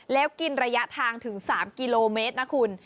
แล้วกินระยะทางถึง๓กิโลเมตรนะคุณ